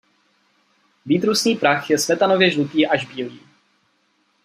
Výtrusný prach je smetanově žlutý až bílý.